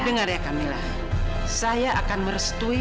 dengar ya kamilah saya akan merestui